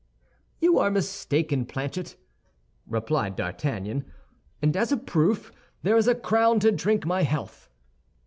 "You are mistaken, Planchet," replied D'Artagnan; "and as a proof, there is a crown to drink my health."